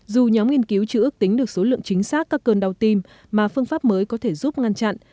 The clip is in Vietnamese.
dù nhóm nghiên cứu chưa ước tính được số lượng chính xác các cơn đau tim mà phương pháp mới có thể giúp ngăn chặn